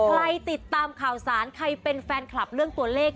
ติดตามข่าวสารใครเป็นแฟนคลับเรื่องตัวเลข